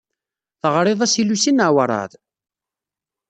Teɣriḍ-as i Lucy neɣ werɛad?